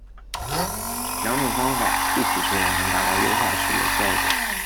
两种方法一起作用能达到优化处理的效果。